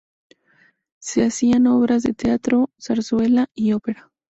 Se hacían obras de teatro, zarzuela y ópera.